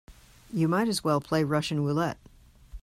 You might as well play Russian roulette.